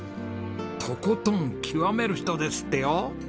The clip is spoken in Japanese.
とことん極める人ですってよ！